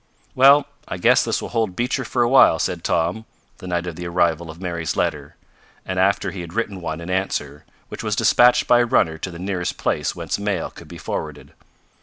"Well, I guess this will hold Beecher for a while," said Tom, the night of the arrival of Mary's letter, and after he had written one in answer, which was dispatched by a runner to the nearest place whence mail could be forwarded.